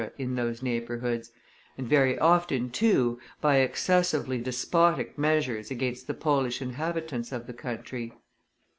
in those neighborhoods, and very often, too, by excessively despotic measures against the Polish inhabitants of the country.